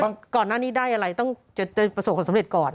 ก่อนหน้านี้ได้อะไรต้องจะประสบความสำเร็จก่อน